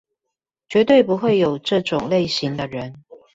絕對不會有這種類型的人